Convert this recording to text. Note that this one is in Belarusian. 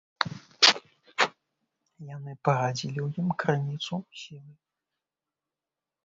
Яны парадзілі ў ім крыніцу сілы.